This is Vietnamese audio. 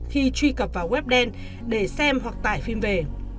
khi truy cập vào web đen để xem hoặc tải phim về